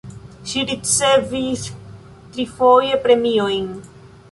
Ŝi ricevis trifoje premiojn.